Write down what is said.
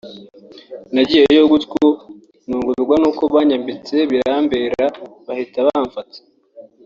nagiyeyo gutyo ntungurwa n’uko banyambitse birambera bahita bamfata